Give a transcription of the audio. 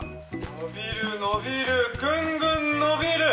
伸びる伸びるグングン伸びる！